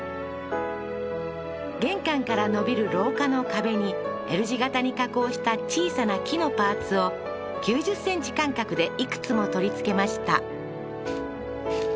玄関から伸びる廊下の壁にＬ字型に加工した小さな木のパーツを９０ｃｍ間隔でいくつも取り付けました